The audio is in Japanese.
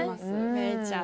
メイちゃん。